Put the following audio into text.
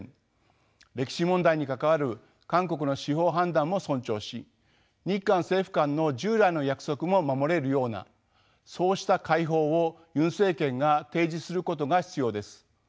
歴史問題に関わる韓国の司法判断も尊重し日韓政府間の従来の約束も守れるようなそうした解法をユン政権が提示することが必要です。